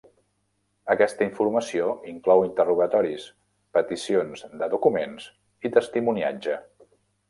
Aquesta informació inclou interrogatoris, peticions de documents i testimoniatge.